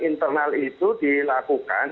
internal itu dilakukan